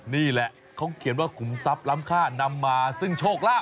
นี่แหละเขาเขียนว่าขุมทรัพย์ล้ำค่านำมาซึ่งโชคลาภ